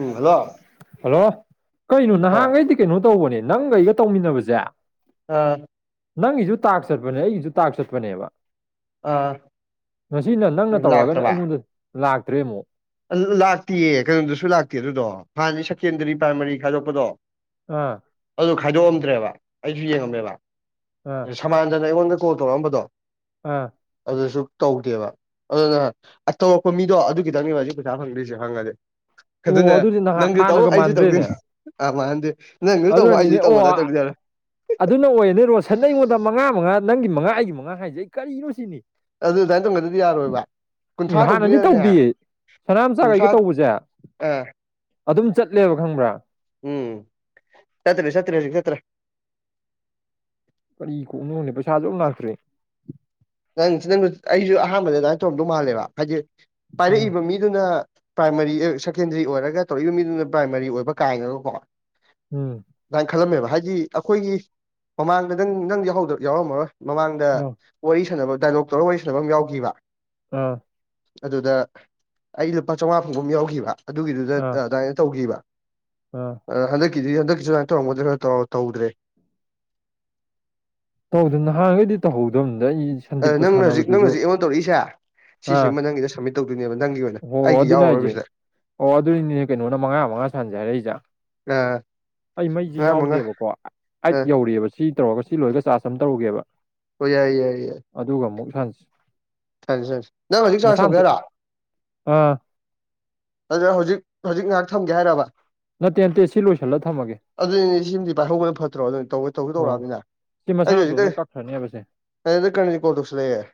ꯎꯝ hello hello ꯀꯩꯅꯣ ꯑꯣ ꯅꯍꯥꯟꯒꯩꯗꯤ ꯀꯩꯅꯣ ꯇꯧꯕꯅꯦ ꯅꯪꯒꯩꯒ ꯇꯧꯃꯤꯟꯅꯕꯁꯦ ꯑꯥ ꯅꯪꯒꯤꯁꯨ ꯇꯥꯛ ꯆꯠꯄꯅꯦ ꯑꯩꯒꯤꯁꯨ ꯇꯥꯛ ꯆꯠꯄꯅꯦꯕ ꯑꯥ ꯉꯁꯤꯅ ꯅꯪꯅ ꯇꯧꯔꯛꯑꯒꯅ ꯂꯥꯛꯇ꯭ꯔꯕ ꯑꯩꯉꯣꯟꯗ ꯂꯥꯛꯇ꯭ꯔꯦ ꯑꯃꯨꯛ ꯂꯥꯛꯇꯦꯌꯦ ꯀꯩꯅꯣꯗꯨꯁꯨ ꯂꯥꯛꯇꯦ ꯑꯗꯨꯗꯣ ꯍꯥꯟꯅꯗꯤ ꯁꯦꯀꯦꯟꯗꯔꯤ ꯄ꯭ꯔꯥꯏꯃꯥꯔꯤ ꯈꯥꯏꯗꯣꯛꯄꯗꯣ ꯑꯥ ꯑꯗꯨ ꯈꯥꯏꯗꯣꯛꯑꯝꯗ꯭ꯔꯦꯕ ꯑꯩꯁꯨ ꯌꯦꯡꯉꯝꯃꯦꯕ ꯑ ꯁꯃꯥꯟꯗꯅ ꯑꯩꯉꯣꯟꯗ ꯀꯣꯜ ꯇꯧꯔꯛꯑꯝꯕꯗꯣ ꯑ ꯑꯗꯨꯁꯨ ꯇꯧꯗꯦꯕ ꯑꯗꯨꯅ ꯇꯧꯔꯛꯄ ꯃꯤꯗꯣ ꯑꯗꯨ ꯈꯤꯇꯪꯅꯦꯕ ꯍꯧꯖꯤꯛ ꯄꯩꯁꯥ ꯐꯪꯗ꯭ꯔꯤꯁꯦ ꯍꯪꯉꯗꯤꯦ ꯑꯣ ꯑꯗꯨꯅꯦ ꯑꯗꯨꯗꯤ ꯅꯍꯥꯟ ꯅꯪꯁꯨ ꯇꯧ ꯍꯥꯟꯅꯒ ꯑꯩꯁꯨ ꯃꯥꯟꯗ꯭ꯔꯦꯅꯦ ꯇꯧꯗꯣꯏꯅ ꯑ ꯃꯥꯍꯟꯁꯦ ꯑꯗꯨꯅꯅꯤꯅꯦ ꯑꯣ ꯑꯗꯨꯅ ꯑꯣꯏꯔꯅꯦ ꯔꯣꯁꯟ ꯑꯩꯉꯣꯟꯗ ꯃꯉꯥ ꯃꯉꯥ ꯅꯪꯒꯤ ꯃꯉꯥ ꯑꯩꯒꯤ ꯃꯉꯥ ꯍꯥꯏꯁꯦ ꯑꯩ ꯀꯔꯤꯅꯣ ꯁꯤꯅꯤ ꯑꯗꯨ ꯑꯗꯨꯃꯥꯏꯅ ꯇꯧꯒꯗꯗꯤ ꯌꯥꯔꯣꯏꯕ ꯎꯝ ꯀꯨꯟꯊ꯭ꯔꯥ ꯍꯥꯟꯅꯗꯤ ꯇꯧꯗꯣꯏꯅꯅꯦ ꯇꯧꯗ ꯀꯨꯟꯊ꯭ꯔꯥ ꯁꯅꯥꯝꯆꯥꯈꯩꯒ ꯇꯧꯕꯁꯦ ꯑ ꯑꯗꯨꯝ ꯆꯠꯂꯦꯕ ꯈꯪꯕ꯭ꯔꯥ ꯎꯝ ꯆꯇ ꯁꯇꯇ꯭ꯔ ꯀꯔꯤ ꯀꯣꯛꯅꯣꯣꯦ ꯄꯩꯁꯥꯁꯨ ꯂꯥꯛꯇ꯭ꯔꯦ ꯅꯪ ꯅꯪ ꯑꯩꯁꯨ ꯑꯍꯥꯟꯕꯗ ꯑꯗꯨꯃꯥꯏꯅ ꯇꯧꯔꯝꯗꯧ ꯃꯥꯜꯂꯦꯕ ꯍꯥꯏꯗꯤ ꯎꯝ ꯄꯥꯏꯔꯛꯏꯕ ꯃꯤꯗꯨꯅ ꯄ꯭ꯔꯥꯏꯃꯥꯔꯤ ꯁꯦꯀꯦꯟꯗꯔꯤ ꯑꯣꯏꯔꯒ ꯇꯧꯔꯛꯏꯕ ꯃꯤꯗꯨꯅ ꯄ꯭ꯔꯥꯏꯃꯥꯔꯤ ꯑꯣꯏꯕ ꯀꯥꯏꯅꯒꯀꯣ ꯑꯗꯨꯃꯥꯏꯅ ꯈꯜꯂꯝꯃꯦꯕ ꯍꯥꯏꯗꯤ ꯑꯩꯈꯣꯏꯒꯤ ꯃꯃꯥꯡꯗ ꯅꯪ ꯅꯪ ꯌꯥꯎꯔꯝꯃꯔꯣꯏ ꯃꯃꯥꯡꯗ ꯎꯝ ꯋꯥꯔꯤ ꯁꯥꯟꯅꯕ ꯗꯥꯏꯂꯣꯛ ꯇꯧꯔꯒ ꯋꯥꯔꯤ ꯁꯥꯟꯅꯕ ꯑꯃ ꯌꯥꯎꯈꯤꯕ ꯑꯥ ꯑꯗꯨꯗ ꯑꯩ ꯂꯨꯄꯥ ꯆꯝꯃꯉꯥ ꯐꯥꯎꯕꯨꯝ ꯌꯥꯎꯈꯤꯕ ꯑꯗꯨꯒꯤꯗꯨꯗ ꯑꯥ ꯑꯗꯨꯃꯥꯏꯅ ꯇꯧꯈꯤꯕ ꯑꯥ ꯑꯗ ꯍꯟꯗꯛꯀꯤꯗꯤ ꯍꯟꯗꯛꯀꯤꯁꯨ ꯑꯗꯨꯥꯏ ꯇꯧꯔꯝꯒꯗ꯭ꯔꯦ ꯈꯔ ꯇꯧꯗ꯭ꯔꯦ ꯇꯧꯗ ꯅꯍꯥꯟꯈꯩꯗꯤ ꯇꯧꯍꯧꯗꯕꯅꯤ ꯑ ꯅꯪ ꯍꯧꯖꯤꯛ ꯅꯪ ꯍꯧꯖꯤꯛ ꯑꯩꯉꯣꯟ ꯇꯧꯔꯛꯏꯁꯦ ꯁꯤꯁꯤꯦ ꯑꯥ ꯅꯪꯒꯤꯗ ꯁꯝꯃꯤꯠ ꯇꯧꯗꯣꯏꯅꯦꯕ ꯅꯪꯒꯤ ꯑꯣꯏꯅ ꯍꯣ ꯍꯣ ꯑꯩꯒꯤ ꯑꯗꯨꯅ ꯍꯥꯏꯁꯦ ꯌꯥꯎꯔꯔꯕꯁꯤꯗ ꯑꯣ ꯑꯗꯨꯅꯤꯅꯦ ꯀꯩꯅꯣꯅ ꯃꯉꯥ ꯃꯉꯥ ꯁꯥꯟꯖꯔꯛꯏꯖꯥ ꯑꯩ ꯃꯩꯁꯤ ꯉꯥ ꯃꯉꯥ ꯌꯥꯎꯗꯦꯕꯀꯣ ꯑ ꯑꯩꯠ ꯌꯧꯔꯤꯑꯦꯕ ꯁꯤ ꯇꯧꯔꯒ ꯁꯤ ꯂꯣꯏꯒ ꯆꯥ ꯁꯝ ꯇꯧꯔꯨꯒꯦꯕ ꯑꯣ ꯌꯥꯏ ꯌꯥꯏ ꯌꯥꯏ ꯍꯖ ꯊ ꯊ ꯅꯪ ꯍꯧꯖꯤꯛ ꯆꯥꯔꯖ ꯇꯧꯒꯦꯔꯥ ꯑꯥ ꯑꯗꯨ ꯍꯧꯖꯤꯛ ꯍꯧꯖꯤꯛ ꯉꯥꯏꯍꯥꯛ ꯊꯝꯒꯦ ꯍꯥꯏꯔꯕ ꯅꯠꯇꯦ ꯅꯠꯇꯦ ꯁꯤ ꯂꯣꯏꯁꯤꯜꯂ ꯊꯝꯃꯒꯦ ꯑꯗꯨꯅꯦ ꯁꯤꯃꯗꯤ ꯄꯥꯏꯍꯧꯕꯅ ꯐꯠꯇ꯭ꯔꯣ ꯑꯗꯨꯧ ꯇꯧꯁꯨ ꯍꯣꯏ ꯇꯧꯔꯛꯑꯕꯅꯤꯅ ꯁꯤ ꯃꯁꯥ ꯑꯖꯤ ꯍꯖꯤꯗ ꯃꯇꯣꯟꯗ ꯀꯛꯈ꯭ꯔꯅꯦꯕ ꯁꯦ ꯑꯗ ꯀꯅꯦ ꯀꯣ ꯄꯨꯁꯂ ꯍꯥꯏ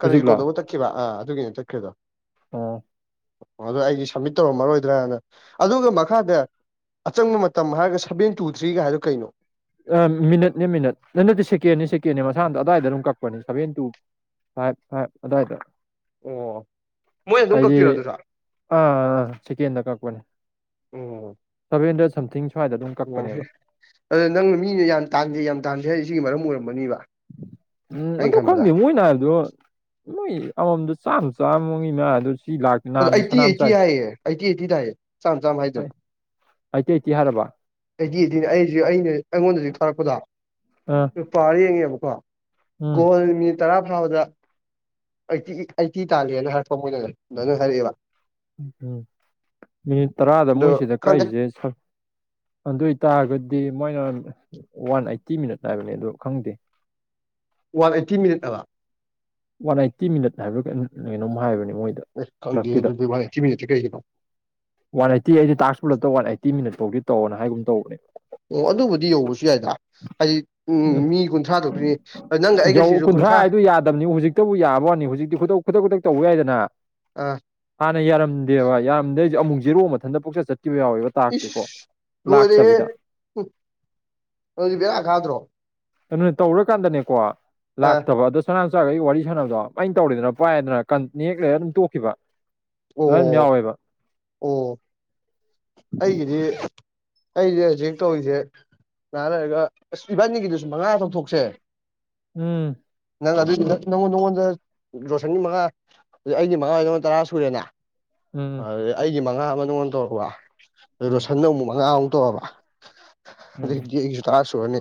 ꯀꯔꯤꯁꯤ ꯍꯧꯖꯤꯛꯂꯣ ꯀꯣꯜꯗꯧꯕ ꯇꯛꯈꯤꯕ ꯑꯥ ꯑꯗꯨꯒꯤ ꯑꯣꯏꯅ ꯇꯠꯈ꯭ꯔꯤꯦꯗꯣ ꯑꯣ ꯑꯣ ꯑꯗꯨꯣ ꯑꯩꯗꯤ ꯁꯝꯃꯤꯠ ꯇꯧꯔꯝꯃꯔꯣꯏꯗ꯭ꯔꯥꯅ ꯑꯗꯨꯒ ꯃꯈꯥꯗꯤ ꯑꯆꯪꯕ ꯃꯇꯝ ꯍꯥꯏꯔꯒ ꯁꯚꯦꯟ ꯇꯨ ꯊ꯭ꯔꯤꯒ ꯍꯥꯏꯗꯨ ꯀꯩꯅꯣ ꯑ ꯃꯤꯅꯠꯅꯦ ꯃꯤꯅꯠ ꯅ ꯅꯠꯇꯦ ꯁꯦꯀꯦꯟꯅ ꯁꯦꯀꯦꯦ ꯃꯁꯥꯅꯗꯣ ꯑꯗꯥꯏꯗ ꯑꯗꯨꯝ ꯀꯛꯄꯅꯦ ꯁꯚꯦꯟ ꯇꯨ ꯐꯥꯏꯚ ꯐꯥꯏꯕ ꯑꯗꯥꯏꯗꯣ ꯑꯣ ꯃꯣꯏꯅ ꯑꯗꯨꯝ ꯑꯩꯗꯤ ꯀꯛꯇꯣꯏꯔꯣ ꯑꯗꯨꯁꯨ ꯑꯣ ꯑꯥ ꯑꯥ ꯆꯤꯀꯦꯟꯗ ꯀꯛꯄꯅꯦ ꯇꯕꯤ ꯏꯗ꯭ꯔ ꯑꯣ ꯑꯗꯨꯗ ꯅꯪꯅ ꯃꯤꯅ ꯌꯥꯝ ꯇꯥꯟꯁꯩ ꯌꯥꯝ ꯇꯥꯟꯖꯦ ꯍꯥꯏꯗꯤ ꯁꯤꯒꯤ ꯃꯔꯝ ꯑꯣꯏꯔꯝꯕꯅꯤꯕ ꯎꯝ ꯑꯗꯨ ꯈꯪꯗꯦ ꯃꯣꯏꯅ ꯍꯥꯏꯕꯗꯣ ꯂꯣꯏ ꯑꯃꯣꯝꯗ ꯆꯥꯝ ꯆꯥꯝꯃꯡ ꯏ ꯃꯥ ꯑꯗꯨ ꯁꯤ ꯂꯥꯛꯇ ꯑ ꯅꯍꯥꯟꯒꯤ ꯑꯩꯠꯇꯤ ꯁꯅꯥꯝ ꯑꯩꯠꯇꯤ ꯆꯥꯏ ꯍꯥꯏꯌꯦ ꯑꯩꯠꯇꯤ ꯑꯩꯠꯇꯤꯗ ꯍꯥꯏꯌꯦ ꯆꯥꯝ ꯆꯥꯝꯃ ꯍꯥꯏꯗ꯭ꯔꯦ ꯑꯩꯇꯩ ꯑꯩꯇꯩ ꯍꯥꯏꯔꯕ ꯑꯩꯗꯤ ꯑꯩꯗꯤꯅꯦ ꯑꯩꯁꯨ ꯑꯩꯅ ꯑꯩꯉꯣꯟꯗꯁꯨ ꯊꯥꯔꯛꯄꯗ ꯑ ꯅꯨꯨꯄꯥ ꯌꯦꯡꯉꯦꯕꯀꯣ ꯎꯝ ꯀꯣꯜꯠ ꯇꯔꯥ ꯐꯥꯎꯕꯗ ꯑꯩꯠꯇꯤ ꯑꯩꯠꯇꯤ ꯇꯥꯜꯂꯦꯅ ꯍꯥꯏꯔꯛꯄ ꯃꯣꯏꯅꯅꯦ ꯑꯗꯨꯅ ꯍꯥꯏꯔꯛꯑꯦꯕ ꯎꯝ ꯎꯝ ꯃꯤꯅꯤꯠ ꯇꯔꯥꯗ ꯑꯗꯣ ꯃꯣꯏꯁꯤꯗ ꯈꯪꯗꯦ ꯀꯛꯏꯁꯦ ꯑꯗꯨꯏ ꯇꯥꯔꯒꯗꯤ ꯃꯣꯏꯅ ꯋꯥꯟ ꯑꯠꯇꯤ ꯃꯤꯅꯠ ꯅꯥꯕꯅꯦ ꯑꯗꯨ ꯈꯪꯗꯦ ꯋꯥꯟ ꯑꯩꯠꯇꯤ ꯃꯤꯅꯤꯠ ꯑꯗ ꯋꯥꯟ ꯑꯥꯏꯠꯇꯤ ꯃꯤꯅꯠ ꯍꯥꯏꯕ꯭ꯔꯥ ꯀꯩꯅꯣꯝ ꯍꯥꯏꯕꯅꯤ ꯈꯪꯦ ꯃ ꯊꯤ ꯃꯤ ꯊ ꯀꯩꯁꯤꯀ ꯋꯥꯟ ꯑꯥꯏꯠꯇꯤ ꯑꯩꯗꯤ ꯇꯥꯛꯁꯂ ꯋꯥꯟ ꯑꯥꯏꯠꯇꯤ ꯃꯤꯅꯠꯇꯧꯗꯤ ꯇꯧꯅ ꯍꯥꯏꯒꯨꯝ ꯇꯧ ꯑꯣ ꯑꯗꯨꯕꯨꯗꯤ ꯌꯧꯕꯁꯨ ꯌꯥꯏꯗ ꯍꯥꯏꯗꯤ ꯎꯝ ꯃꯤ ꯀꯨꯟꯊ꯭ꯔꯥ ꯊꯣꯛꯛꯇꯣꯏꯅꯤ ꯅꯪꯒ ꯑꯩꯒꯁꯤꯁꯨ ꯀꯨꯟꯊ꯭ꯔꯥ ꯍꯧꯖꯤꯛꯇ ꯌꯥꯕꯅꯤ ꯍꯧꯖꯤꯛꯇꯤꯛ ꯈꯨꯗꯛ ꯈꯨꯗꯛ ꯇꯧꯕ ꯌꯥꯏꯗꯅ ꯑꯥ ꯍꯥꯟꯅ ꯌꯥꯔꯝꯗꯦꯕ ꯌꯥꯔꯝꯗ ꯁꯤ ꯑꯃꯨꯛ ꯖꯤꯦꯔꯣꯛ ꯃꯊꯟꯇ ꯄꯨꯛꯆꯠ ꯆꯠꯈꯤꯕ ꯌꯥꯎꯋꯦꯕ ꯇꯥꯛꯁꯦꯀꯣ ꯏꯁ ꯂꯥꯛꯇꯕꯤꯗ ꯍꯧꯖꯤꯕꯔꯗ꯭ꯔꯣ ꯑꯗꯨꯅ ꯇꯧꯔꯀꯥꯟꯗꯅꯦꯀꯣ ꯂꯥꯛꯇꯕ ꯑꯗꯣ ꯁꯅꯥꯟꯆꯥꯒꯩ ꯋꯥꯔꯤ ꯁꯥꯟꯅꯕꯗꯣ ꯑꯩꯅ ꯇꯧꯔꯦꯗꯅ ꯄꯥꯏꯗꯅ ꯅꯦꯛꯂꯒ ꯑꯗꯨꯝ ꯇꯣꯛꯈꯤꯕ ꯑꯗꯨ ꯑꯗꯨꯝ ꯑꯣ ꯌꯥꯎꯋꯦꯕ ꯑꯣ ꯑꯩꯒꯤꯗꯤ ꯑꯩꯁꯦ ꯍꯧꯖꯤꯛ ꯍꯦꯛ ꯇꯧꯔꯤꯁꯦ ꯅꯥꯟꯅꯔꯒ ꯑꯁ ꯏꯕꯥꯟꯅꯤꯒꯤꯗꯨ ꯁ ꯃꯉꯥ ꯇꯧꯊꯣꯛꯁꯦ ꯎꯝ ꯅꯪ ꯑꯗꯨ ꯅꯪꯉꯣꯟꯗ ꯅꯪꯉꯣꯟꯗ ꯔꯣꯁꯟꯒꯤ ꯃꯉꯥ ꯑꯗꯨ ꯑꯩꯗꯤ ꯃꯉꯥ ꯑꯣꯏꯗ ꯇꯔꯥ ꯁꯨꯔꯦꯅꯦ ꯑ ꯎꯝ ꯑꯩꯒꯤ ꯃꯉꯥ ꯑꯃ ꯅꯉꯣꯟ ꯇꯧꯔꯕ ꯎꯝ ꯔꯣꯁꯟꯅ ꯑꯃꯨꯛ ꯃꯉꯥꯃꯨꯛ ꯇꯣꯛꯑꯕ ꯎꯝ ꯑꯗꯒꯤ ꯑꯩꯁꯨ ꯇꯔ ꯁꯨꯔꯅꯤ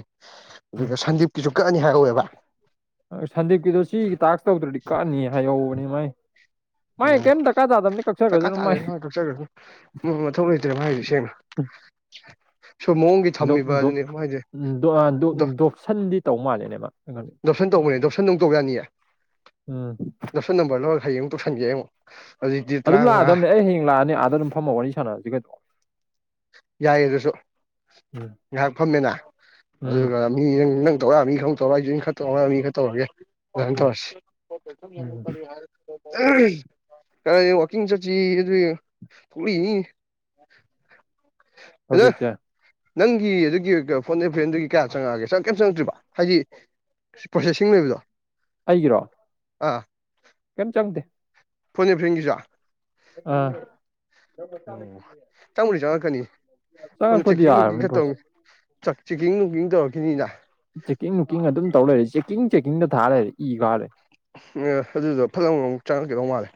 ꯑꯗꯨꯒ ꯁꯟꯗꯤꯞꯀꯤꯁꯨ ꯀꯛꯅꯤ ꯍꯥꯏꯍꯧꯋꯦꯕ ꯁꯟꯗꯦꯞꯀꯤꯗꯣ ꯁꯤꯒꯤ ꯇꯥꯛꯁ ꯇꯧꯗ꯭ꯔꯗꯤ ꯀꯛꯅꯤ ꯍꯥꯏꯍꯧꯕꯅꯤ ꯃꯥꯏ ꯃꯥꯏ ꯑꯣ ꯀꯩꯝ ꯗꯔꯀꯥꯔ ꯇꯥꯗꯕꯅꯤ ꯇꯀꯥ ꯀꯛꯆꯈ꯭ꯔꯁꯅꯨ ꯃꯥꯏ ꯇꯥꯂꯦꯃꯆꯈ꯭ꯔ ꯃꯊꯧ ꯂꯩꯇ꯭ꯔꯦ ꯍꯥꯏꯁ ꯁꯦꯡꯅ [unintelligible] ꯃꯑꯣꯡꯒꯤ ꯊꯝꯃꯤꯕ ꯑꯗꯨꯅꯦ ꯃꯥꯏꯁꯦ ꯗꯣꯛꯁꯟꯗꯤ ꯇꯧ ꯃꯥꯜꯂꯦꯅꯦꯕ ꯗꯣꯔꯁꯟ ꯇꯧꯕꯅꯦ ꯗꯣꯔꯁꯟ ꯧ ꯇꯧ ꯌꯥꯅꯤꯌꯦ ꯎꯝ ꯗꯣꯔꯁꯟ ꯅꯝꯕꯔ ꯂꯧꯔꯒ ꯍꯥꯏꯌꯦꯡꯨꯝ ꯗꯣꯔꯁꯥꯟꯒꯌꯥ ꯑꯃꯨꯛ ꯑꯗꯨꯗꯤ ꯑꯗꯨꯝ ꯇꯔꯥꯃꯉꯥ ꯂꯥꯛꯑꯗꯕꯅꯦ ꯑꯩ ꯍꯌꯦꯡ ꯂꯥꯛꯑꯅꯤ ꯑꯥꯗ ꯑꯗꯨꯝ ꯐꯝꯃ ꯋꯥꯔꯤ ꯁꯥꯟꯅꯔꯁꯤ ꯀꯩꯅꯣ ꯌꯥꯏꯌꯦ ꯑꯗꯨꯁꯨ ꯎꯝ ꯉꯥꯏꯍꯥꯛ ꯐꯝꯃꯦꯅ ꯎꯝ ꯑꯗꯨꯒ ꯃꯤ ꯅꯪ ꯇꯧꯔꯃꯤꯈ ꯇꯧꯔꯏꯁꯨ ꯈꯛꯇꯉ ꯃꯤ ꯈ ꯇꯧꯔꯒꯦ ꯑꯗꯨꯃꯥꯏꯅ ꯎꯝ ꯇꯧꯔꯁꯤ ꯎꯝ ꯀ ꯋꯥꯀꯤ ꯆꯗꯤ ꯊ [unintelligible] ꯍꯧꯖꯤ ꯆꯦ ꯅꯪꯒꯤ ꯑꯗꯨꯒꯤ ꯐꯣꯟꯗ ꯐ꯭ꯔꯦꯟꯗꯨꯒꯤ ꯀꯌꯥ ꯆꯪꯉꯛꯑꯒꯦ ꯆꯪꯉ ꯀꯩꯝ ꯆꯪꯉꯛꯇ꯭ꯔꯤꯕ ꯍꯥꯏꯗꯤ ꯄ꯭ꯔꯣꯁꯦꯁꯤꯡ ꯂꯩꯕꯗꯣ ꯑꯩꯒꯤꯔꯣ ꯑꯥ ꯀꯦꯝ ꯆꯪꯗ ꯐꯣꯏꯅꯦ ꯐꯦꯟꯒꯤꯁ ꯑꯥ ꯆꯪꯕꯨꯗꯤ ꯆꯪꯉꯛꯀꯅꯤ ꯆꯉꯣ ꯈꯨꯗꯤ ꯌꯥꯔꯕꯅꯤ ꯄꯨꯁ ꯆꯥꯛ ꯆꯦꯛꯀꯤꯡ ꯅꯨꯡꯀꯤꯡ ꯇꯧꯔꯛꯈꯤꯅꯤꯅ ꯆꯦꯛꯀꯤꯡ ꯋꯨꯛꯀꯤꯡ ꯑꯗꯨꯝ ꯇꯧ ꯂꯩꯔꯦ ꯆꯦꯛꯀꯤꯡ ꯆꯦꯛꯀꯤꯡꯗ ꯊꯥꯔ ꯂꯩꯔꯦ ꯏ ꯈꯥꯔꯦ ꯑꯗꯨꯗ ꯐꯠꯂꯝ ꯑꯃꯨꯛ ꯆꯉꯀꯩꯗꯧ ꯃꯥꯜꯂꯦ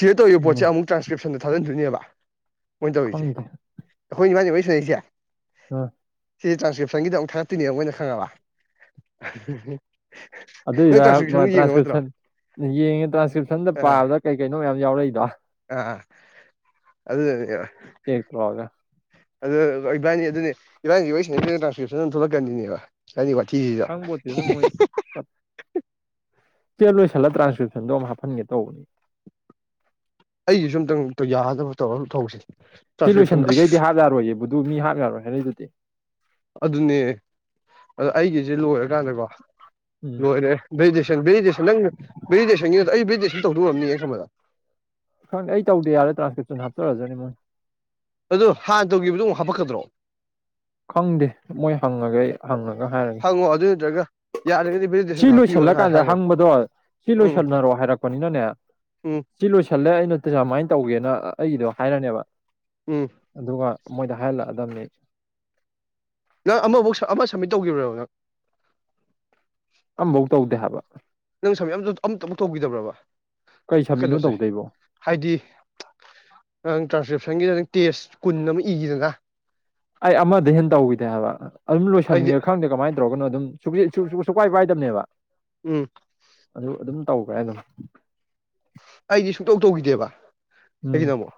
ꯁꯤꯗ ꯇꯧꯔꯤꯕ ꯎꯝ ꯄꯣꯠꯁꯦ ꯑꯃꯨꯛ ꯇ꯭ꯔꯥꯟꯁꯀ꯭ꯔꯤꯞ ꯁꯣꯝꯗ ꯊꯥꯖꯤꯟꯗꯣꯏꯅꯦꯕ ꯃꯣꯏꯅ ꯇꯧꯔꯤꯁꯦ ꯈꯪꯗꯦ ꯑꯩꯈꯣꯏ ꯏꯃꯥꯅꯤ ꯃꯣꯏ ꯁꯥꯟꯅꯔꯤꯁꯦ ꯑ ꯁꯤ ꯇ꯭ꯔꯥꯟꯁꯀ꯭ꯔꯤꯞꯁꯟꯒꯤꯗ ꯑꯃꯨꯛ ꯊꯥꯒꯛꯇꯤꯅꯦ ꯃꯣꯏꯅ ꯈꯪꯉꯕ ꯑꯗꯨꯗ ꯅꯪ ꯏꯗ ꯇ꯭ꯔꯥꯟꯁꯀ꯭ꯔꯤꯞꯁꯟꯗꯨ ꯌꯦꯡꯉꯕ ꯅꯠꯇ꯭ꯔꯣ ꯇ꯭ꯔꯥꯟꯁꯀ꯭ꯔꯤꯞꯁꯟ ꯌꯦꯡꯉꯦ ꯇ꯭ꯔꯥꯟꯁꯀ꯭ꯔꯤꯞꯁꯟꯗ ꯑꯥ ꯄꯥꯕꯗ ꯀꯩ ꯀꯩꯅꯣ ꯃꯌꯥꯝ ꯌꯥꯎꯔꯛꯏꯗꯣ ꯑꯗꯨꯅꯦ ꯁꯤꯦ ꯇꯣꯋꯥꯒ ꯑꯗꯨ ꯏꯕꯥꯅꯤ ꯑꯗꯨꯅꯦ ꯏꯕꯥꯅꯤꯁꯤꯣꯏꯁꯤꯅ ꯑꯩꯈꯣꯏ ꯇ꯭ꯔꯥꯟꯁꯀ꯭ꯔꯤꯞꯁꯟ ꯑꯃ ꯊꯣꯛꯂꯛꯀꯅꯤꯅꯦꯕ ꯀꯅꯤꯀꯣ ꯊꯤꯁꯤꯗ ꯈꯪꯄꯣꯠꯇꯦꯗ ꯃꯣꯏ ꯆꯆꯦ ꯂꯣꯏꯁꯤꯜꯂ ꯇ꯭ꯔꯥꯟꯁꯀ꯭ꯔꯤꯞꯁꯟꯗꯣ ꯑꯃ ꯍꯥꯞꯍꯟꯒꯦ ꯇꯧꯕꯅꯤ ꯑꯩꯒꯤꯁꯨ ꯑꯝꯇꯪ ꯌꯥꯗꯕ ꯇꯧꯔ ꯊꯧꯁꯦ ꯁꯤ ꯂꯣꯏꯁꯤꯟꯗ꯭ꯔꯤꯈꯩꯗꯤ ꯍꯥꯞ ꯌꯥꯔꯣꯏꯌꯦꯕꯨꯗꯨ ꯃꯤ ꯍꯥꯞ ꯌꯥꯔꯣꯏ ꯍꯥꯏꯅꯩꯗꯨꯗꯤ ꯑꯗꯨꯅꯦ ꯑꯗ ꯑꯩꯒꯤꯁꯦ ꯂꯣꯏꯔꯀꯥꯟꯗꯀꯣ ꯎꯝ ꯂꯣꯏꯔꯦ ꯑꯗꯨꯩꯗꯤꯩ ꯚꯦꯁꯟ ꯅꯪ ꯚꯦꯗꯦꯁꯟ ꯑꯩ ꯚꯦꯗꯦꯁꯟ ꯇꯧꯗꯧꯕ ꯉꯝꯅꯤ ꯈꯕꯗ ꯈꯪꯗꯦ ꯑꯩ ꯇꯧꯗꯦ ꯌꯥꯔꯦ ꯇ꯭ꯔꯥꯟꯁꯀꯦꯛꯁꯟ ꯍꯥꯞꯆꯔꯁꯨꯅꯤ ꯃꯣꯏ ꯑꯗꯨ ꯍꯥꯟꯅ ꯇꯧꯈꯤꯕꯗꯣ ꯑꯃꯨꯛ ꯍꯥꯞꯄꯛꯀꯗ꯭ꯔꯣ ꯈꯪꯗꯦ ꯃꯣꯏ ꯍꯪꯉꯒꯦ ꯑꯩ ꯍꯪꯉꯒ ꯍꯥꯏꯔꯒꯦ ꯍꯪꯉꯣ ꯑꯗꯨ ꯅꯠꯇ꯭ꯔꯒ ꯌꯥꯔꯒꯗꯤ ꯁꯤ ꯚꯦꯂꯤꯗꯦꯁꯟꯗ ꯍꯥꯞꯄꯤꯌꯣꯅ ꯍꯥꯏ ꯂꯣꯏꯁꯤꯜꯂꯀꯥꯟꯗ ꯍꯥꯏꯈ꯭ꯔꯣ ꯍꯪꯕꯗꯣ ꯁꯤ ꯎꯝ ꯂꯣꯏꯁꯤꯜꯂꯔꯣ ꯍꯥꯏꯔꯛꯄꯅꯤꯅꯅꯦ ꯎꯝ ꯁꯤ ꯂꯣꯏꯁꯤꯜꯂꯦ ꯑꯩꯅ ꯇꯁꯥꯃꯥꯏꯅ ꯇꯧꯒꯦꯅ ꯑꯩꯒꯤꯗꯣ ꯍꯥꯏꯔꯅꯦꯕ ꯎꯝ ꯑꯗꯨꯒ ꯃꯣꯏꯗ ꯍꯥꯏꯍꯜꯂꯛꯑꯗꯕꯅꯤ ꯅꯪ ꯑꯃꯐꯧ ꯑꯃ ꯁꯕꯃꯤꯠ ꯇꯧꯈꯤꯕꯣ ꯅꯪ ꯑꯝꯐꯧ ꯇꯧꯗꯦ ꯍꯥꯏꯕ ꯑꯃꯝꯇ ꯑꯃꯨꯛ ꯇꯧꯈꯤꯗꯕ꯭ꯔꯕ ꯀꯩ ꯁꯕꯃꯤꯠꯅꯣ ꯀꯩꯅꯣꯁꯦ ꯇꯧꯗꯣꯏꯕꯣ ꯍꯥꯏꯗꯤ ꯅꯪ ꯇ꯭ꯔꯥꯟꯁ ꯁꯪꯒꯤꯗꯪ ꯇꯦꯁ ꯀꯨꯟ ꯑꯃ ꯏꯈꯤꯗꯅ ꯑꯩ ꯑꯃꯗ ꯍꯦꯟꯅ ꯇꯧꯈꯤꯗꯦ ꯍꯥꯏꯕ ꯑꯗꯨꯝ ꯑꯩꯗꯤ ꯂꯣꯏꯁꯤꯟꯒꯦ ꯈꯪꯗꯦ ꯀꯃꯥꯏꯅ ꯇꯧꯔꯒꯅ ꯑꯗꯨꯝ ꯁꯨꯛꯄꯥꯏ ꯄꯥꯏꯗꯕꯅꯦꯕ ꯎꯝ ꯑꯗꯨ ꯑꯗꯨꯝ ꯇꯧꯈ꯭ꯔꯦ ꯑꯗꯨꯝ ꯑꯩꯗꯤ ꯁꯨꯡꯇꯧ ꯇꯧꯈꯤꯗꯦꯕ ꯎꯝ ꯀꯒꯤꯅ ꯑꯃꯛꯧ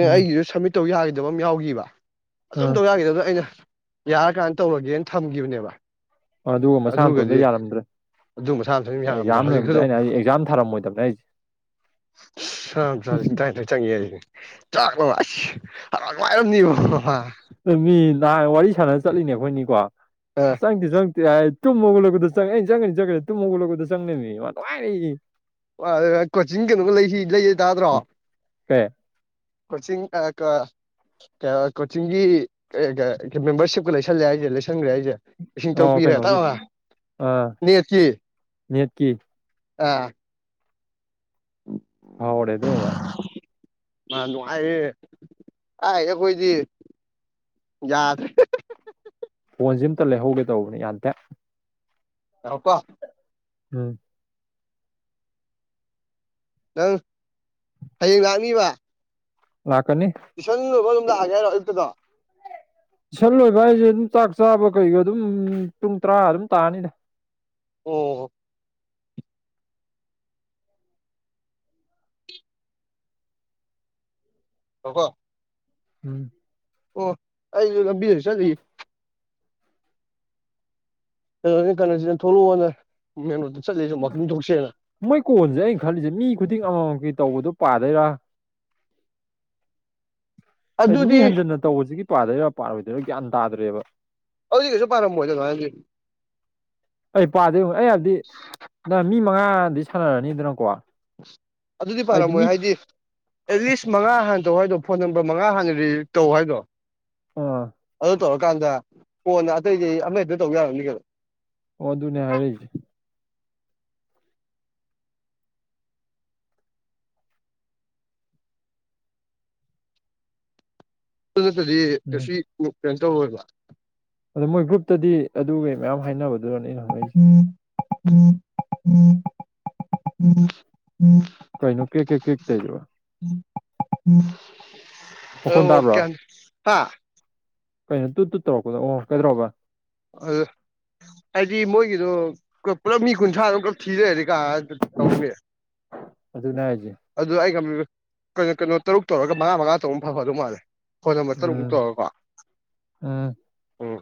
ꯎꯝ ꯑꯩꯒꯤꯁꯨꯠ ꯇꯧ ꯌꯥꯈꯤꯗꯕ ꯑꯃ ꯌꯥꯎꯈꯤꯕ ꯑꯗꯨꯝ ꯎꯝ ꯇꯧ ꯌꯥꯈꯤꯗꯕꯗ ꯑꯩꯅ ꯌꯥꯔꯀꯥꯟꯗ ꯇꯧꯔꯒꯦꯅ ꯊꯝꯈꯤꯕꯅꯦꯕ ꯑꯗꯨꯒ ꯃꯁꯥ ꯑꯃꯇꯣꯟꯗ ꯑꯗꯨꯒꯗꯤ ꯌꯥꯔꯝꯗ꯭ꯔꯦ ꯑꯗꯨ ꯃꯁꯥ ꯃꯊꯟ ꯑꯗꯨꯝ ꯌꯥꯔꯝꯗ꯭ꯔꯦ ꯑꯦꯛꯖꯥꯝ ꯍꯧꯖꯤꯛꯁꯨ ꯂꯣꯏꯔꯝꯗ ꯑꯩꯅ ꯑꯩ ꯑꯦꯛꯖꯥꯝ ꯊꯥꯔꯝꯃꯣꯏꯗꯕꯅꯦ ꯑꯩꯁꯦ ꯁꯥꯡ ꯆ ꯇꯥꯏ ꯆꯪꯤ ꯍꯥꯏ ꯆꯥꯛꯁꯤ ꯍꯔ ꯅꯨꯡꯉꯥꯏꯔꯝꯅꯤꯕꯣ ꯃꯥ ꯃꯤ ꯅꯍꯥꯟ ꯋꯥꯔꯤ ꯁꯥꯟꯅ ꯆꯠꯂꯤꯅꯦ ꯑꯩꯈꯣꯏꯅꯤꯀꯣ ꯑꯁ ꯑ ꯆꯪꯗꯦ ꯆꯪ ꯇꯨꯝ ꯃꯣꯒꯠꯂꯛꯄꯗ ꯆꯪꯉꯦ ꯑꯩ ꯆꯪꯅꯤ ꯆꯪꯒꯅꯤ ꯇꯨꯝ ꯃꯣꯠꯂꯛꯄꯗ ꯆꯪꯅꯤꯅꯦ ꯃꯥ ꯅꯨꯡꯉꯥꯏꯔꯛꯏꯅꯤ ꯀꯣꯆꯤꯡ ꯀꯩꯅꯣꯝ ꯂꯩꯁꯤ ꯂꯩ ꯂꯩ ꯇꯥꯗ꯭ꯔꯣ ꯀꯩ ꯀꯣꯆꯤꯡ ꯀ ꯀꯣꯆꯤꯡꯒꯤ ꯃꯦꯝꯕꯔꯁꯤꯞꯀ ꯂꯩꯁꯜꯂꯦ ꯍꯥꯏꯁꯦ ꯁꯪꯈ꯭ꯔꯦ ꯑꯩꯁꯦ ꯏꯁꯤꯡ ꯇꯔꯨꯛ ꯑꯣ ꯄꯤꯔꯦ ꯇꯥ ꯀꯩꯅꯣꯒꯤ ꯑꯥ ꯃꯤꯠꯀꯤ ꯑꯥ ꯎꯝ ꯍꯥꯎꯔꯦ ꯑꯗꯨ ꯃꯥ ꯃꯥ ꯅꯨꯡꯉꯥꯏꯌꯦꯦ ꯑꯩ ꯑꯩꯈꯣꯏꯗꯤ ꯌꯥꯗ꯭ꯔ‌ꯦ ꯐꯣꯟꯁꯦ ꯑꯃꯇ ꯂꯩꯍꯧꯒꯦ ꯇꯧꯕꯅꯦ ꯌꯥꯗ‌ꯦ ꯂꯥꯎꯀ‌ꯣ ꯎꯝ ꯅꯪ ꯍꯌꯦꯡ ꯂꯥꯛꯅꯤꯕ ꯂꯥꯛꯀꯅꯤ ꯇꯨꯏꯁꯟ ꯂ‌ꯣꯏꯕ ꯑꯗꯨꯝ ꯂꯥꯛꯑꯒꯦ ꯍꯥꯏꯔꯣ ꯑꯌꯨꯛꯇꯗꯣ ꯇꯨꯏꯁꯟ ꯂꯣꯏꯕ ꯍꯥꯏꯁꯦ ꯑꯗꯨꯝ ꯆꯥꯛ ꯆꯥꯕ ꯀꯩꯒ ꯑꯗꯨꯝ ꯄꯨꯡ ꯇꯔꯥ ꯑꯗꯨꯝ ꯇꯥꯔꯅꯤꯗ ꯑꯣ ꯍꯀꯣ ꯎꯝ ꯑꯣ ꯑꯩꯁꯨ ꯂꯝꯕꯤꯗ ꯍ‌ꯎ ꯆꯠꯂꯤꯌ‌ꯦ ꯀꯅ‌ꯣꯅꯤ ꯀꯁꯤ ꯊ‌ꯣꯛꯂ‌ꯣ ꯅꯩ ꯃ‌ꯦꯟ ꯔ‌ꯣꯗꯇ ꯃꯣꯏ ꯀꯣꯟꯁꯦ ꯑꯩꯅ ꯈꯜꯂꯤꯁꯦ ꯃꯤ ꯈꯨꯗꯤꯡ ꯑꯃꯥ ꯃꯝ ꯇꯧꯕꯗꯣ ꯄꯥꯗꯣꯏꯔꯥ ꯍꯥꯏꯗꯤ ꯃꯤ ꯑꯗꯨꯗꯤ ꯍꯟꯖꯟꯅ ꯇꯧꯕꯁꯤꯒꯤ ꯄꯥꯗꯣꯏꯔꯥ ꯄꯥꯔꯣꯏꯗꯣꯏꯔꯥ ꯒ꯭ꯌꯥꯟ ꯇꯥꯗ꯭ꯔꯦꯕ ꯑꯗꯨꯗꯤ ꯀꯩꯁꯨ ꯄꯥꯔꯝꯃꯣꯏꯗ ꯍꯥꯏꯕꯤ ꯑꯩ ꯄꯥꯗꯣꯏ ꯑꯩ ꯍꯥꯏꯕꯗꯤ ꯅꯪ ꯃꯤ ꯃꯉꯥꯗꯤ ꯁꯥꯟꯅꯔꯅꯤꯗꯅꯀꯣ ꯑꯗꯨꯗꯤ ꯄꯥꯔꯝꯃꯣꯏ ꯍꯥꯏꯗꯤ ꯑꯦꯠꯂꯤꯁ ꯃꯉꯥ ꯍꯥꯟꯅ ꯇꯧ ꯍꯥꯏꯗꯣ ꯐꯣꯟ ꯅꯝꯕꯔ ꯃꯉꯥ ꯍꯥꯟꯅ ꯔꯤ ꯇꯧ ꯍꯥꯏꯗꯣ ꯑꯥ ꯇꯧꯔꯀꯥꯟꯗ ꯀꯣꯟꯅ ꯑꯇꯩꯗꯤ ꯑꯃꯛꯇ ꯇꯧ ꯌꯥꯔꯅꯤ ꯀꯩꯅꯣ ꯑꯣ ꯑꯗꯨꯅꯦ ꯍꯥꯏꯔꯛꯁꯦ ꯑꯗꯨ ꯅꯠꯇꯗꯤ ꯎꯝ ꯀꯩꯁꯨ ꯀꯩꯅꯣ ꯇꯧꯔꯣꯏꯕ ꯑꯗꯣ ꯃꯣꯏ ꯒ꯭ꯔꯨꯞꯇꯗꯤ ꯑꯗꯨ ꯃꯌꯥꯝ ꯍꯥꯏꯅꯕ ꯑꯗꯨꯅꯅꯤ ꯑꯩꯅ ꯍꯪꯉꯛꯏꯁꯦ ꯎ ꯎ ꯎꯝ ꯎ ꯀꯥꯏꯅ‌ꯣ ꯀ‌ꯦ ꯀꯦ ꯀ‌ꯦ ꯇꯧꯏꯗꯨꯕ‌ꯣ ꯑ ꯃꯈꯣꯟ ꯑꯣꯒ ꯇꯥꯕ꯭ꯔꯣ ꯒꯌꯥꯟ ꯍꯥ ꯀꯩꯅꯣ ꯇꯨ ꯇꯨꯠ ꯇꯧꯔꯛꯄꯗꯣ ꯑꯣ ꯀꯩꯗ꯭ꯔꯣꯕ ꯑ ꯍꯥꯏꯗꯤ ꯃꯣꯏꯒꯤꯗꯣ ꯄꯨꯂꯞ ꯃꯤ ꯀꯨꯟꯊ꯭ꯔꯥꯗ ꯊꯤ ꯂꯩꯔꯗꯤ ꯑꯗꯨ ꯇꯧꯅꯤ ꯑꯗꯨꯅꯦ ꯍꯥꯏꯁꯦ ꯑꯗꯨ ꯑꯩꯝꯕꯤ ꯀꯩꯅꯣ ꯀꯩꯅꯣ ꯇꯔꯨꯛ ꯇꯧꯔꯒ ꯃꯉꯥ ꯃꯉꯥ ꯇꯧꯕꯟ ꯐꯗꯧ ꯃꯥꯜꯂꯦ ꯐ‌ꯣꯟ ꯅꯝꯕꯔ ꯇꯔꯨꯛꯃꯨꯛ ꯎꯝ ꯇꯧꯔꯒꯀꯣ ꯎꯝ ꯎꯝ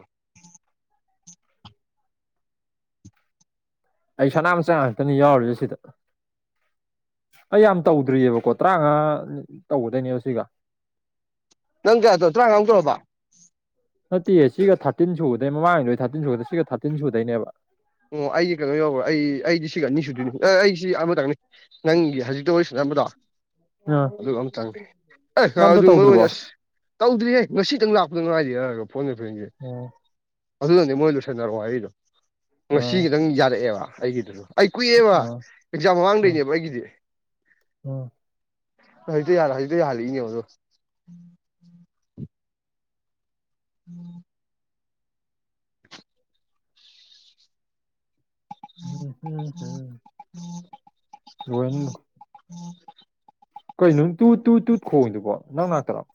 ꯑꯩ ꯁꯅꯥꯃꯆꯥ ꯉꯥꯛꯇꯅꯤ ꯌꯥꯎꯔꯤꯁꯤ ꯁꯤꯗ ꯑꯩ ꯌꯥꯝ ꯇꯧꯗ꯭ꯔꯤꯑꯕꯀꯣ ꯇꯔꯥꯃꯉꯥ ꯇꯧꯒꯗꯣꯏꯅꯦꯕ ꯁꯤꯒ ꯅꯪ ꯀꯌꯥꯗꯣ ꯇꯔꯥꯥꯡꯉꯥꯡ ꯇꯧꯕ ꯅꯠꯇꯦꯌꯦ ꯁꯤꯒ ꯊꯥꯔꯇꯤꯟ ꯁꯨꯕꯗꯩ ꯃꯃꯥꯡꯩꯗ ꯊꯥꯔꯇꯤꯟ ꯁꯨꯕꯗ ꯁꯤꯒ ꯊꯥꯔꯇꯤꯟ ꯁꯨꯗꯣꯏꯅꯦꯕ ꯑꯣ ꯑꯩꯗꯤ ꯀꯩꯅꯣ ꯌꯧꯒꯔ‌ꯦ ꯑꯩ ꯑꯩꯗꯤ ꯁꯤꯒ ꯑꯅꯤ ꯁꯨꯗꯅꯤ ꯑꯦ ꯑꯩ ꯁꯤ ꯑꯃꯇꯪꯅꯤ ꯅꯪꯒꯤ ꯍꯧꯖꯤꯛꯇ ꯋꯥꯔꯤ ꯁꯅꯝꯕꯗꯣ ꯑ ꯑꯗꯨꯒ ꯑꯃꯇꯪꯅꯤ ꯑꯦ ꯉ ꯅꯪ ꯑꯝꯇ ꯑꯗꯨ ꯃꯔꯨ ꯇꯧꯗ꯭ꯔꯤꯕꯣ ꯑꯣꯏꯅ ꯑꯁ ꯇꯧꯗ꯭ꯔꯤꯌꯦ ꯉꯁꯤꯗꯪ ꯂꯥꯛꯄꯗ ꯉꯥꯏꯔꯤ ꯍꯥꯏꯔꯒ ꯐꯣꯟ ꯑꯩ ꯐ꯭ꯔ‌ꯦꯟꯒꯤ ꯑꯣ ꯑꯗꯨꯅꯅꯦ ꯃꯣꯏ ꯂꯣꯏꯁꯟꯅꯔꯛꯑꯣ ꯍꯥꯏꯗꯣ ꯑ ꯉꯁꯤ ꯈꯤꯇꯪ ꯌꯥꯔꯛꯑꯦꯕ ꯑꯩꯒꯤꯗꯨꯁꯨ ꯑꯩ ꯀꯨꯏꯑꯦꯕ ꯑ ꯑꯦꯛꯖꯥꯝ ꯑ ꯃꯃꯥꯡꯗꯩꯅꯦꯕ ꯑꯩꯒꯤꯗꯤ ꯑ ꯍꯧꯖꯤꯛꯇ ꯌꯥ ꯍꯧꯖꯤꯛꯇ ꯌꯥꯍꯜꯂꯤꯅꯦ ꯑꯗꯣ ꯑꯣ ꯂ‌ꯣꯏꯅꯤ ꯀꯩꯩꯅꯅꯨꯡ ꯇꯨ ꯇꯨ ꯇꯨ ꯈꯣꯡꯉꯤꯗꯨꯕꯣ ꯅꯪ ꯅꯥꯛꯇꯔ‌ꯣ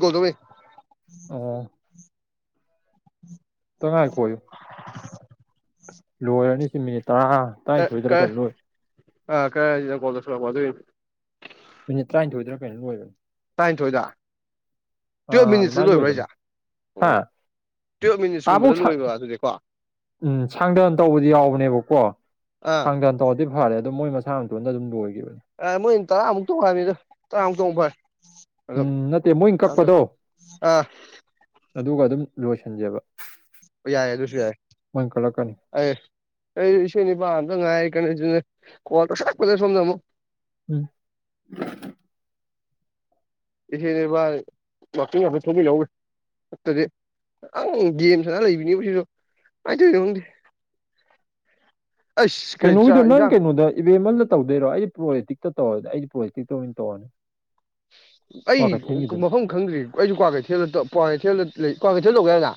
[unintelligible] ꯑꯣ ꯇ ꯉꯥꯏꯈ‌ꯣ ꯌꯨ ꯂꯣꯏꯔꯅꯤ ꯁꯤ ꯃꯤꯅꯤꯠ ꯇꯔꯥ ꯇꯔꯥꯅꯤꯊꯣꯏꯗ꯭ꯔ ꯀꯩꯃ ꯂꯣꯏ ꯑ ꯀꯔ ꯀꯣꯜ ꯇꯧꯁꯜꯂꯛꯄ ꯑꯗꯨꯏꯅꯤ ꯃꯤꯅꯤꯠ ꯇꯔꯥꯅꯤꯊꯣꯏꯗꯔꯥ ꯀꯩꯅ‌ꯣꯝ ꯂꯣꯏꯕꯅꯤ ꯇꯔꯥꯅꯤꯊꯣꯏꯗ ꯇꯨꯌꯦꯞ ꯑꯥ ꯃꯤꯅꯤꯠꯁꯇ ꯑꯗꯨꯃꯥꯏꯅ ꯂꯣꯏꯕ꯭ꯔꯥ ꯂꯣꯏꯕꯅꯤ ꯍꯥꯏꯁꯦ ꯍꯥ ꯑꯣ ꯇꯨꯌꯦꯜꯞ ꯑꯥꯐꯧ ꯃꯤꯅꯤꯠꯁꯀꯨꯝꯕꯗ ꯂꯣꯏꯕ ꯑꯗꯨꯗꯤꯀꯣ ꯎꯝ ꯁꯥꯡꯗꯟ ꯇꯧꯕꯗꯤ ꯌꯥꯎꯕꯅꯦꯕꯀꯣ ꯑꯥ ꯁꯥꯡꯗꯟ ꯇꯧꯕꯔꯗꯤ ꯐꯔꯦ ꯑꯗ ꯃꯣꯏ ꯃꯁꯥ ꯃꯇꯣꯟꯗ ꯑꯗꯨꯝ ꯂꯣꯏꯈꯤꯕ ꯑ ꯃꯣꯏ ꯇꯔꯥꯃꯨꯛ ꯇꯣꯡꯕꯅꯤꯗꯣ ꯇꯔꯥꯃꯨꯛ ꯇꯣꯡ ꯐꯣꯏ ꯎꯝ ꯅꯠꯇꯦ ꯃꯣꯏ ꯀꯛꯄꯗꯣ ꯑꯥ ꯑꯗꯨꯒ ꯑꯗꯨꯝ ꯂꯣꯏꯁꯟꯖꯦꯕ ꯌꯥꯏꯦ ꯑꯗꯨꯁꯨ ꯌꯥꯏ ꯃꯣꯏꯅ ꯀꯛꯂꯛꯀꯅꯤ ꯑꯩ ꯑꯩ ꯏ ꯅꯤꯄꯥ ꯑꯝꯇ ꯉꯥꯏꯔꯤ ꯀꯩꯅꯣꯅꯦ ꯀꯋꯥꯇ ꯁꯣꯛ ꯀꯗ ꯁꯣꯟꯖꯃꯣ ꯎꯝ ꯏꯦꯅꯦꯕꯥ ꯋꯥꯀꯤ ꯍꯥ ꯊꯤ ꯂꯎꯒꯦ ꯅꯠꯇꯗꯤ ꯑꯪ ꯒꯦꯝ ꯁꯅ ꯂꯩꯕꯅꯤ ꯎ ꯁꯤꯗꯣ ꯀꯗꯣꯏ ꯈꯪꯗꯦ ꯑꯩꯁ ꯀꯩ ꯀꯩꯅ ꯏꯗ ꯆꯥꯛ ꯅꯪ ꯏꯟꯖꯥꯡ ꯀꯩꯅꯅꯗ ꯕꯦꯝꯃꯜꯗ ꯇꯧꯗꯣꯏꯔꯣ ꯑꯩꯁ ꯄ꯭ꯔꯣꯖꯦꯤꯛꯇ ꯇꯧꯔꯗꯤ ꯑꯩꯁ ꯄ꯭ꯔꯣꯖꯦꯇꯤꯛꯇ ꯑꯣꯏꯅ ꯇꯧꯔꯅꯤ ꯑꯩ ꯀ꯭ꯋꯥꯀꯩꯊꯦꯜꯒꯤꯗꯨꯅ ꯃꯐꯝ ꯈꯪꯗ꯭ꯔꯤ ꯑꯩꯁꯨ ꯀ꯭ꯋꯥꯀꯩꯊꯦꯜꯗ ꯀ꯭ꯋꯥ ꯀꯩꯊꯦꯜꯗ ꯂꯩ ꯀ꯭ꯀꯩꯊ ꯂꯒ ꯌꯥꯒ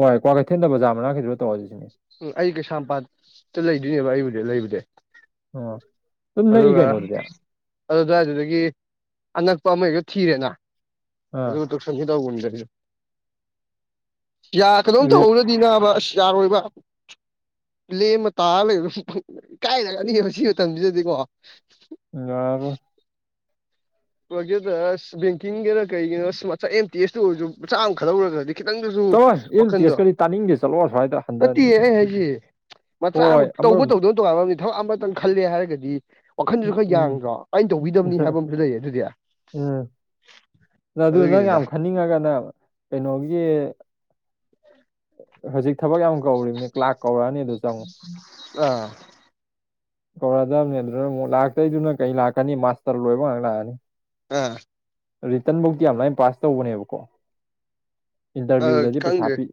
ꯍꯣꯏ ꯀ꯭ꯋꯥꯀꯩꯊꯦꯜꯗ ꯕꯖꯥꯔ ꯃꯅꯥꯛꯇꯈꯤꯗ ꯇꯧꯔꯁꯤ ꯁꯤꯅꯦ ꯎꯝ ꯑꯩ ꯀꯩꯁꯥꯝꯄꯥꯠꯇ ꯂꯩꯗꯣꯏꯅꯦꯕ ꯑꯩꯕꯨꯗꯤ ꯂꯩꯕꯨꯗꯤ ꯑꯗꯨꯅ ꯏꯒ ꯅꯣꯗꯗꯦ ꯑꯗꯨꯗꯋꯥꯏꯗꯨꯗꯒꯤ ꯑꯅꯛꯄ ꯑꯃꯛꯇ ꯊꯤꯔꯦꯅ ꯑꯥ ꯑꯗꯨꯒ ꯇꯣꯛꯁꯟꯁꯤ ꯇꯧꯕꯒꯨꯝꯗ꯭ꯔꯦ ꯌꯥ ꯀꯩꯅꯣꯝ ꯔꯦꯠ ꯇꯧꯍꯧꯅꯗꯤ ꯅꯥꯕ ꯑꯁ ꯌꯥꯔꯣꯏꯕ ꯄ꯭ꯂꯦꯝꯃ ꯇꯥꯔ ꯂꯩꯝ ꯏ ꯀꯥꯏꯔꯛꯑꯅꯤꯕ ꯁꯤ ꯃꯇꯝꯁꯤꯗ ꯗꯤ ꯀꯣ ꯌꯥꯔꯣꯏ ꯄ꯭ꯔꯣꯖꯦꯛꯇ ꯕꯦꯡꯀꯤꯡꯒꯤꯅ ꯀꯔꯤꯒꯤꯅꯣ ꯑꯦꯝ ꯇꯤ ꯑꯦꯁꯇꯨ ꯑꯣꯏꯔꯁꯨ ꯃꯆꯥ ꯑꯃ ꯈꯗꯧꯔꯒꯗꯤ ꯈꯤꯇꯪꯗꯁꯨ ꯆꯠꯂꯣꯏ ꯏꯜ ꯋꯥꯈꯟꯗꯣ ꯇꯦꯁꯀꯗꯤ ꯇꯥꯅꯤꯡꯗꯦ ꯆꯠꯂꯣ ꯑꯁ꯭ꯋꯥꯏꯗ ꯍꯟꯊꯅꯤ ꯅꯠꯇꯦ ꯑꯩ ꯍꯥꯏꯁꯤꯦ ꯃꯆꯥ ꯑꯃꯨ ꯍꯣꯏ ꯇꯧꯕ ꯑꯃꯔꯣꯝ ꯇꯧꯗꯧꯅ ꯇꯧꯕ ꯊꯕꯛ ꯑꯃꯇꯪ ꯈꯜꯂꯦ ꯍꯥꯏꯔꯒꯗꯤ ꯋꯥꯈꯟꯗꯨꯁꯨ ꯈꯔ ꯎꯝ ꯌꯥꯡꯗ꯭ꯔꯣ ꯀꯥꯏꯩꯅ ꯇꯧꯕꯤꯗꯕꯅꯤ ꯍꯥꯏꯕ ꯑꯃꯁꯨ ꯂꯩꯌꯦ ꯑꯗꯨꯗꯤ ꯎꯝ ꯑꯗꯨ ꯅꯪ ꯑꯗꯨꯒꯤꯅꯤꯗ ꯌꯥꯝ ꯈꯟꯅꯤꯡꯉꯒꯅꯦ ꯀꯩꯅꯣꯒꯤ ꯍꯧꯖꯤꯛ ꯊꯕꯛ ꯀꯃꯨꯛ ꯀꯧꯔꯤꯕꯅꯤ ꯀ꯭ꯂꯥꯁ ꯀꯧꯔꯛꯑꯅꯤ ꯑꯗꯨ ꯆꯪꯉꯨ ꯑꯥ ꯀꯧꯔꯗꯕꯅꯦ ꯑꯗꯨꯅ ꯑꯃꯨꯛ ꯂꯥꯛꯇꯣꯏꯗꯨꯅ ꯀꯩ ꯂꯥꯛꯀꯅꯤ ꯃꯥꯁꯇꯔ ꯂꯣꯏꯕ ꯉꯥꯛ ꯂꯥꯛꯑꯅꯤ ꯎꯝ ꯔꯤꯇꯔꯟꯕꯨꯛꯇꯤ ꯌꯥꯝ ꯂꯥꯏꯅ ꯄꯥꯁ ꯇꯧꯕꯅꯦꯕꯀꯣ ꯑꯥ ꯏꯟꯇꯔꯚꯤꯌꯨꯗꯗꯤ ꯄꯩꯁꯥ ꯈꯪꯗ꯭ꯔꯦ ꯄꯤ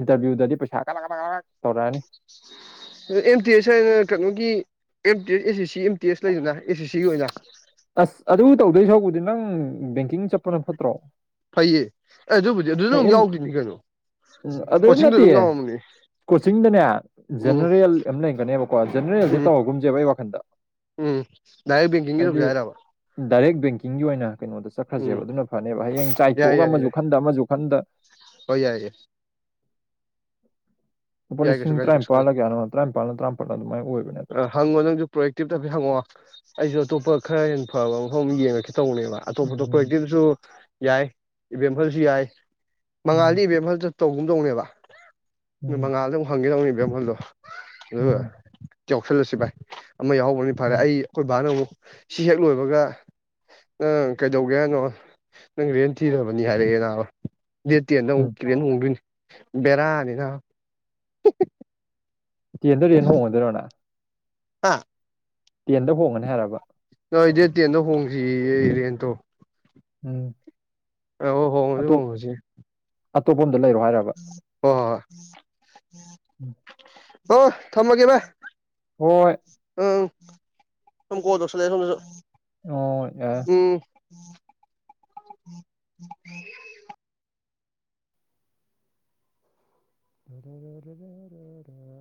ꯏꯟꯇꯔꯚꯤꯌꯗꯗꯤ ꯄꯩꯁꯥ ꯇꯧꯔꯛꯑꯅꯤ ꯑ ꯑꯦꯝ ꯇꯤ ꯑꯦꯁ ꯍꯥꯏꯅ ꯀꯩꯅꯣꯒꯤ ꯑꯦꯝ ꯇꯤ ꯑꯦꯁ ꯑꯦ ꯁꯤ ꯑꯦꯝ ꯇꯤ ꯑꯦꯁ ꯂꯩꯗꯅ ꯍꯥꯏ ꯑꯁ ꯑꯗꯨ ꯇꯧꯗꯣꯏ ꯁꯧꯕꯗꯤ ꯅꯪ ꯕꯦꯡꯀꯤꯡ ꯆꯠꯄꯅ ꯐꯠꯇ꯭ꯔꯣ ꯐꯩꯌꯦ ꯑꯦ ꯑꯗꯨꯕꯨꯗꯤ ꯑꯗꯨꯁꯨ ꯑꯃ ꯌꯥꯎꯗ꯭ꯔꯤꯅꯤ ꯀꯩꯅꯣ ꯎꯝ ꯑꯗꯨꯗ ꯀꯣꯆꯤꯡꯗꯣ ꯑꯗꯨꯝ ꯉꯠꯇꯌꯦ ꯌꯥꯎꯔꯝꯃꯅꯤ ꯀꯣꯆꯤꯡꯗꯅꯦ ꯎꯝ ꯖꯦꯅꯔꯦꯜ ꯑꯃ ꯂꯩꯔꯒꯅꯦꯕꯀꯣ ꯖꯦꯅꯔꯦꯜꯗꯤ ꯎꯝ ꯇꯧꯍꯒꯨꯝꯁꯦꯕ ꯑꯩ ꯋꯥꯈꯟꯗ ꯎꯝ ꯗꯗꯥꯏꯔꯦꯡꯡꯦ ꯌꯥꯔꯕ ꯀꯀꯤꯡꯒꯤ ꯑꯣꯏꯅ ꯀꯩꯅꯣꯗ ꯆꯠꯈ꯭ꯔꯁꯦꯕ ꯑꯗꯨꯅ ꯐꯅꯦꯕ ꯍꯌꯦꯡ ꯆꯥꯏꯊꯣꯛꯑꯒ ꯑꯃꯁꯨ ꯈꯟꯗ ꯑꯃꯁꯨ ꯈꯟꯗ ꯍ ꯌꯥꯏꯦ [unintelligible] ꯂꯨꯄꯥ ꯌꯥꯏ ꯂꯤꯁꯤꯡ ꯀꯩꯁꯨ ꯀꯥꯏꯗꯦ ꯀꯩꯁꯨ ꯇꯔꯥꯅꯤꯄꯥꯜꯒꯌꯥ ꯇꯔꯥꯅꯤꯄꯥꯜꯗ ꯇꯔꯥꯄꯜ ꯑꯗꯨꯥꯏꯅ ꯑꯣꯏꯕꯅꯦꯅ ꯍꯪꯉꯣ ꯅꯪꯁꯨ ꯄ꯭ꯔꯣꯌꯦꯦꯛꯇꯤꯞꯇꯐꯠ ꯍꯪꯉꯛꯑꯣ ꯑꯩꯁꯨ ꯑꯇꯣꯞꯄ ꯈꯔ ꯍꯦꯟꯅ ꯐꯕ ꯃꯐꯝ ꯌꯦꯡꯉꯈꯤ ꯇꯧꯅꯦꯕ ꯑꯇꯣꯞ ꯎꯝ ꯑꯇꯣꯞꯄꯛꯇꯤꯁꯨ ꯌꯥꯏ ꯏꯚꯦꯟ ꯐꯁꯨ ꯌꯥꯏ ꯃꯉꯥꯜꯗ ꯎꯝ ꯏꯕꯦꯝ ꯃꯈꯜꯗ ꯇꯧꯒꯨꯝꯗꯧꯅꯦꯕ ꯑꯗꯨ ꯎꯝ ꯃꯉꯥꯜꯗꯨ ꯍꯪꯒꯦꯗꯧꯅꯦ ꯏꯕꯦꯝꯈꯜꯗꯣ ꯑꯗꯨꯒ ꯎꯝ ꯌꯥꯎꯁꯜꯂꯁꯤ ꯚꯥꯏ ꯑꯃ ꯌꯥꯎꯍꯧꯕꯅꯤ ꯐꯔꯦ ꯎꯝ ꯑꯩ ꯑꯩꯈꯣꯏ ꯕꯥꯅ ꯑꯃꯨꯛ ꯁꯤ ꯍꯦꯛ ꯂꯣꯏꯕꯒ ꯅꯪ ꯀꯩꯗꯧꯒꯦ ꯍꯥꯏꯅꯣ ꯅꯪ ꯔꯦꯟ ꯊꯤꯔꯕꯅꯤ ꯍꯥꯏꯔꯛꯑꯦ ꯅꯅꯥꯕ ꯗꯦꯠꯇꯦ ꯅ ꯎꯝ ꯎꯛꯇ꯭ꯔꯦ ꯅꯣꯡꯗꯣꯏꯅꯤ ꯕꯦꯔꯥꯅꯤꯅ ꯇꯦꯟꯗꯔꯦꯅ ꯍꯣꯡꯉꯗꯔꯣꯅ ꯍꯥꯥ ꯇꯦꯟꯗ ꯍꯣꯡꯒꯅꯤ ꯍꯥꯏꯔꯕ ꯅ ꯗꯦ ꯇꯦꯟꯗ ꯍꯣꯡꯁꯤ ꯏꯔꯦꯟꯇꯣ ꯎꯝ ꯑ ꯍꯣꯡꯉꯁꯤ ꯑꯇꯣꯞ ꯍꯣꯡꯉꯁꯤ ꯑꯇꯣꯞꯄ ꯑꯝꯗ ꯂꯩꯔꯣ ꯍꯥꯏꯔꯕ ꯑꯣ ꯑꯣ ꯊꯝꯃꯒꯦ ꯚ ꯍꯣꯏ ꯎꯝ ꯊꯀꯣꯁꯗꯦ ꯁ ꯑꯣ ꯑ ꯎꯝ ꯎꯝ ꯎ ꯔ ꯔ ꯔ ꯔ ꯔ ꯔ